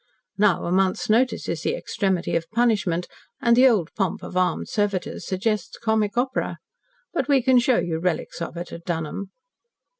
Now, a month's notice is the extremity of punishment, and the old pomp of armed servitors suggests comic opera. But we can show you relics of it at Dunholm."